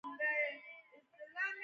زه د ډیموکراسۍ لپاره کار کوم.